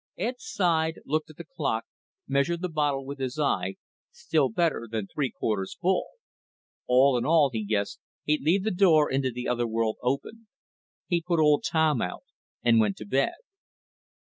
Ed sighed, looked at the clock, measured the bottle with his eye still better than three quarters full. All in all, he guessed, he'd leave the door into the other world open. He put old Tom out and went to bed.